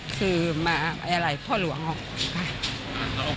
คือมาไอ้อะไรพรหลวงของคนไทย